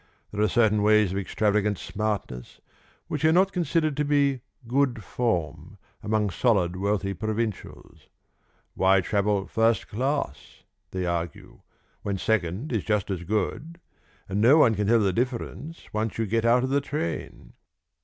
There are certain ways of extravagant smartness which are not considered to be good form among solid wealthy provincials. Why travel first class (they argue), when second is just as good and no one can tell the difference once you get out of the train?